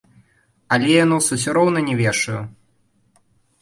Але я нос ўсё роўна не вешаю!